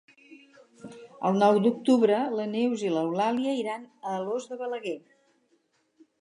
El nou d'octubre na Neus i n'Eulàlia iran a Alòs de Balaguer.